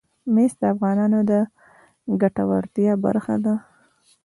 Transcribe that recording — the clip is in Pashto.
مس د افغانانو د ګټورتیا برخه ده.